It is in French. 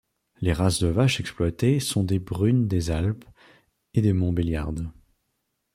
Les races de vache exploitées sont des brunes des Alpes et des montbéliardes.